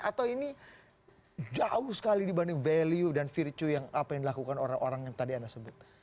atau ini jauh sekali dibanding value dan virtue yang apa yang dilakukan orang orang yang tadi anda sebut